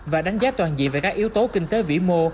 và đánh giá toàn diện về các yếu tố kinh tế vĩ mô